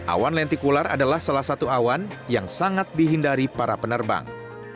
awan lentikular adalah salah satu awan yang sangat dihindari para penerbang